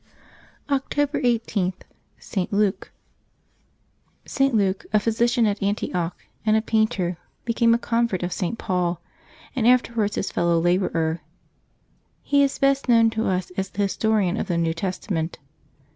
October i8.— ST. LUKE. [t. Luke, a physician at Antioch, and a painter, be came a convert of St. Paul, and afterwards his fellow laborer. He is best known to us as the historian of the New Testament.